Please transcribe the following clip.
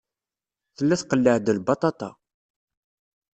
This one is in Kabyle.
Tella tqelleɛ-d lbaṭaṭa.